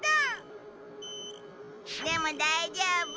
でも大丈夫。